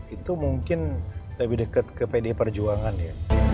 itu mungkin lebih dekat ke pdi perjuangan ya